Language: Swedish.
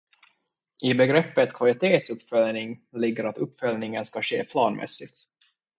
I begreppet kvalitetsuppföljning ligger att uppföljningen ska ske planmässigt.